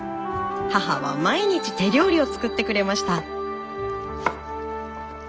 母は毎日手料理を作ってくれました。